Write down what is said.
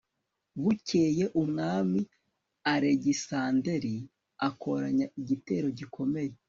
bukeye, umwami alegisanderi akoranya igitero gikomeye